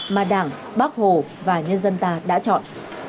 mà đảng bác hồ và nhân dân ta đã chọn